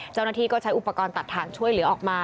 เจ้าหน้าที่ก็ใช้อุปกรณ์ตัดทางช่วยเหลือออกมา